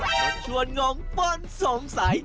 ชักชวนงงป้นสงสัย